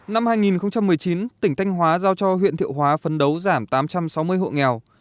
năm hai nghìn một mươi chín tỉnh thanh hóa giao cho huyện thiệu hóa phấn đấu giảm tám trăm sáu mươi hộ nghèo